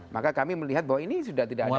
maka kami melihat bahwa ini sudah tidak ada